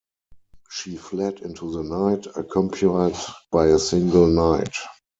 She fled into the night, accompanied by a single knight.